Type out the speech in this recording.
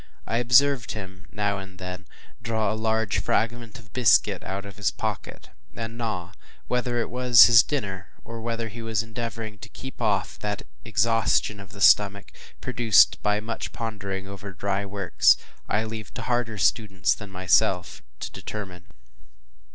I observed him, now and then, draw a large fragment of biscuit out of his pocket, and gnaw; whether it was his dinner, or whether he was endeavoring to keep off that exhaustion of the stomach, produced by much pondering over dry works, I leave to harder students than myself to determine.